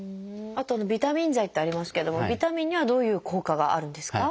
あとビタミン剤ってありますけどもビタミンにはどういう効果があるんですか？